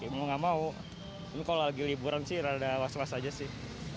mau nggak mau ini kalau lagi liburan sih rada was was aja sih